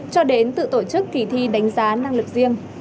cho đến tự tổ chức kỳ thi đánh giá năng lực riêng